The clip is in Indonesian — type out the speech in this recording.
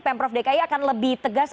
pemprov dki akan lebih tegas